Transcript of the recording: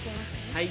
はい。